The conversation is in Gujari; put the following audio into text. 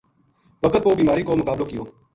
وقت پو بیماری کو مقابلو کیو